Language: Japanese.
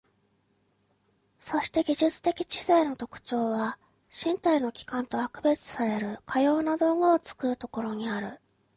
そして技術的知性の特徴は、身体の器官とは区別されるかような道具を作るところにある。